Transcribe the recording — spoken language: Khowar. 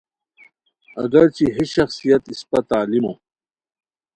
اگر چہ ہے شخصیت اِسپہ تعلیمو